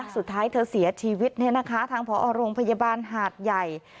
สุดท้ายเธอเสียชีวิตเนี่ยนะคะทางพอโรงพยาบาลหาดใหญ่